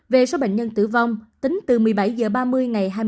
về số bệnh nhân tử vong tính từ một mươi bảy h ba mươi ngày hai mươi sáu ba